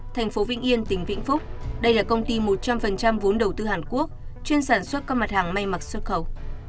thành phố vĩnh yên tỉnh vĩnh phúc đây là công ty một trăm linh vốn đầu tư hàn quốc chuyên sản xuất các mặt hàng may mặc xuất khẩu